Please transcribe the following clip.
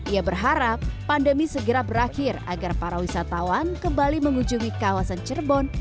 ia berharap pandemi segera berakhir agar para wisatawan kembali mengunjungi kawasan cirebon